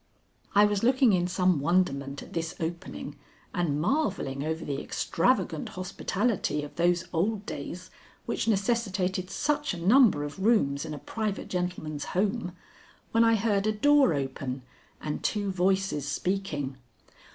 I was looking in some wonderment at this opening and marvelling over the extravagant hospitality of those old days which necessitated such a number of rooms in a private gentleman's home, when I heard a door open and two voices speaking.